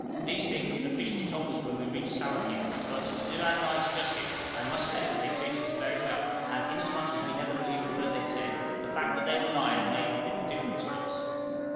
These things officials told us when we reached Sawakin; but, to do our guides justice, I must say they treated us very well, and inasmuch as we never believed a word they said, the fact that they were liars made but little difference to us.